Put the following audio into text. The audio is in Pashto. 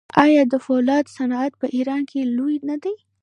آیا د فولادو صنعت په ایران کې لوی نه دی؟